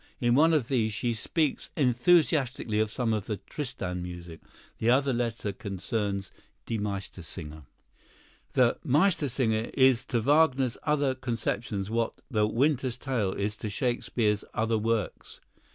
In one of these she speaks enthusiastically of some of the "Tristan" music. The other letter concerns "Die Meistersinger:" "The 'Meistersinger' is to Wagner's other conceptions what the 'Winter's Tale' is to Shakespeare's other works.